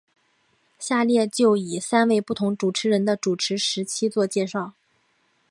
下列就各以三位不同主持人的主持时期做介绍。